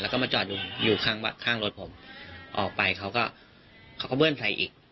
ลาก็มาจอดอยู่ระกะข้างรถผมออกไปเค้าก็เบิ้ลไพรค์อีก